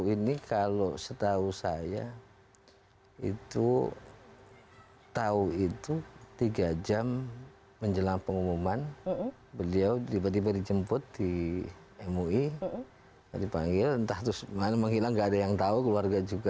ini kalau setahu saya itu tahu itu tiga jam menjelang pengumuman beliau tiba tiba dijemput di mui dipanggil entah terus menghilang nggak ada yang tahu keluarga juga